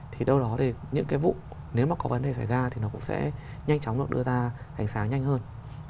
thì đâu đó thì những cái vụ nếu mà có vấn đề xảy ra thì nó cũng sẽ nhanh chóng được đưa ra ánh sáng nhanh hơn